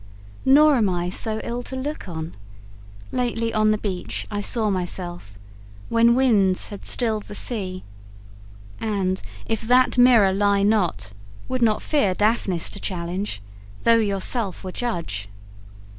Nor am I So ill to look on: lately on the beach I saw myself, when winds had stilled the sea, And, if that mirror lie not, would not fear Daphnis to challenge, though yourself were judge.